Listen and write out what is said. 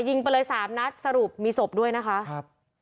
ยิงไปเลยสามนัดสรุปมีศพด้วยนะคะครับ